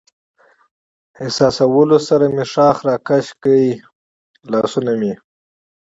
احساسولو سره مې ښاخ را کش کړل، لاسونه مې.